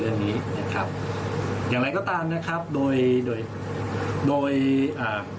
อันนี้นะครับอย่างไรก็ตามนะครับโดยโดยโดยโดยอ่า